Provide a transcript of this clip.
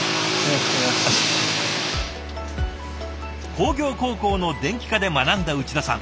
工業高校の電気科で学んだ内田さん。